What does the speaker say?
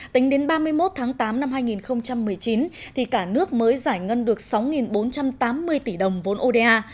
tính đến ba mươi một tháng tám năm hai nghìn một mươi chín thì cả nước mới giải ngân được sáu bốn trăm tám mươi tỷ đồng vốn oda